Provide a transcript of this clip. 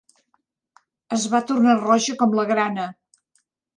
Es va tornar roja com la grana